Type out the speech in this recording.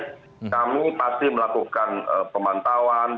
kamu pasti melakukan pemantauan